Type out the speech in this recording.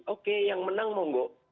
oke yang menang monggo